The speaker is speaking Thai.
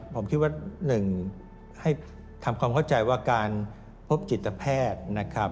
ผมคิดว่า๑ให้ทำความเข้าใจว่าการพบจิตแพทย์นะครับ